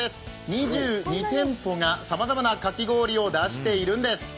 ２２店舗がさまざまなかき氷を出しているんです。